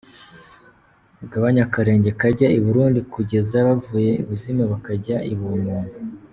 “Mugabanye akarenge kajya i Burundi kugeza bavuye ibuzimu bakajya i buntu” .